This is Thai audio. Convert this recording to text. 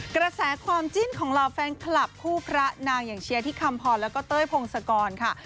กระแสความจิ้นของเหล่าแฟนคลับคู่พระนางอย่างเชียร์ที่คำพรแล้วก็เต้ยพงศกรค่ะ